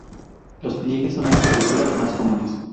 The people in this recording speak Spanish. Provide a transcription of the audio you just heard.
Los pliegues son las estructuras más comunes.